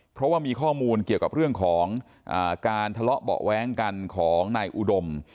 เพราะว่ามีข้อมูลเกี่ยวกับเรื่องของการทะเลาะเบาะแว้งกันของนายอุดม